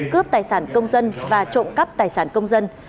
cướp tài sản công dân và trộm cắp tài sản công dân